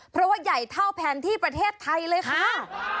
เพราะว่าใหญ่เท่าแผนที่ประเทศไทยเลยค่ะ